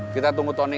kita tunggu tony